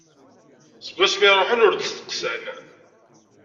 Seg wasmi i ruḥen ur d-steqsan.